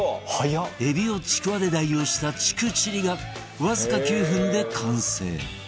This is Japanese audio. エビをちくわで代用したちくチリがわずか９分で完成！